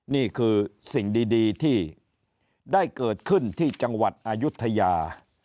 นี่คือสิ่งดีที่ได้เกิดขึ้นที่จังหวัดอายุทยา